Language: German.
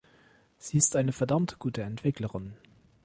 Sie ist eine verdammt gute Entwicklerin.